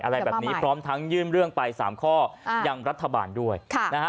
อะไรแบบนี้พร้อมทั้งยื่นเรื่องไปสามข้อยังรัฐบาลด้วยค่ะนะฮะ